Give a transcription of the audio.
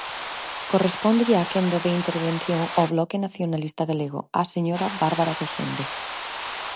Correspóndelle a quenda de intervención ao Bloque Nacionalista Galego, á señora Bárbara Gosende.